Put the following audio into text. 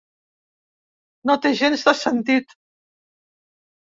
No té gens de sentit